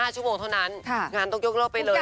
๕ชั่วโมงเท่านั้นงานต้องยกเลิกไปเลย